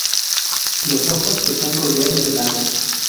Los ojos están rodeados de blanco.